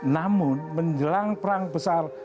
namun menjelang perang besar